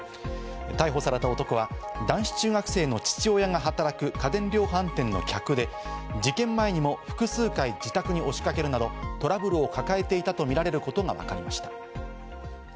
逮捕された男は男子中学生の父親が働く家電量販店の客で事件前にも複数回、自宅に押しかけるなどトラブルを抱えていたとみられることがわかりました。